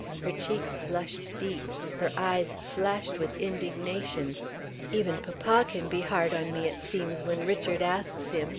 Her cheeks flushed deep; her eyes flashed with indignation. "Even papa can be hard on me, it seems, when Richard asks him!"